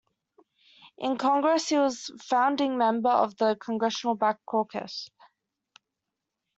In Congress, he was a founding member of the Congressional Black Caucus.